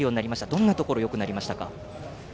どんなところよくなりましたか？